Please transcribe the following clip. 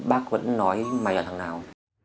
bác vẫn nói mày là thằng nào